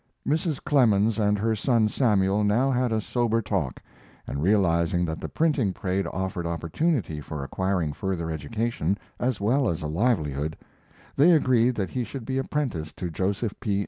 Mrs. Clemens and her son Samuel now had a sober talk, and, realizing that the printing trade offered opportunity for acquiring further education as well as a livelihood, they agreed that he should be apprenticed to Joseph P.